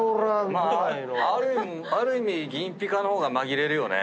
まあある意味銀ピカの方が紛れるよね。